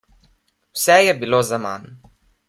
Vse je bilo zaman.